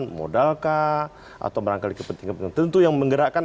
kekuatan modalkah atau merangkali kepentingan kepentingan tentu yang menggerakkan